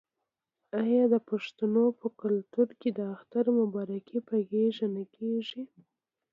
آیا د پښتنو په کلتور کې د اختر مبارکي په غیږ نه کیږي؟